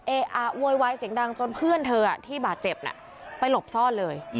โวยวายเสียงดังจนเพื่อนเธอที่บาดเจ็บไปหลบซ่อนเลย